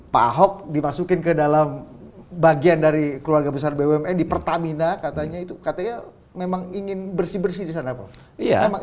pak ahok dimasukin ke dalam bagian dari keluarga besar bumn di pertamina katanya itu katanya memang ingin bersih bersih di sana pak